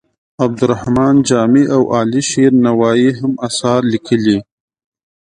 عبدالرحمان جامي او علي شیر نوایې هم اثار لیکلي.